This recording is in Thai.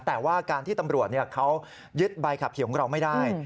แต่ว่าการที่ตำรวจเขายึดใบขับขี่ของเราไม่ได้